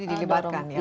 ini dilibatkan ya